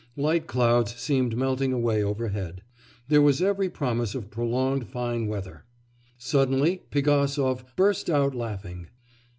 Light clouds seemed melting away overhead. There was every promise of prolonged fine weather. Suddenly Pigasov burst out laughing.